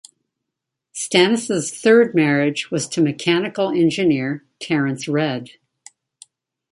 Stanis' third marriage was to mechanical engineer Terrence Redd.